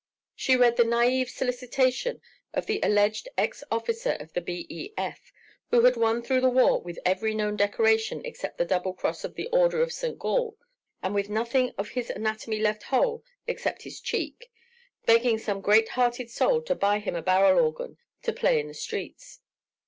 She read the naïve solicitation of the alleged ex officer of the B.E.F., who had won through the war with every known decoration except the Double Cross of the Order of St. Gall and with nothing of his anatomy left whole except his cheek, begging some great hearted soul to buy him a barrel organ to play in the streets.